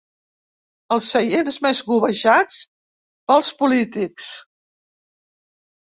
Els seients més cobejats pels polítics.